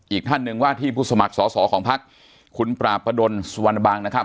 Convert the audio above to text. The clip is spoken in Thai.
อีกท่านหนึ่งว่าที่ผู้สมัครสอบของพักคุณประปาดนสวัสดีครับ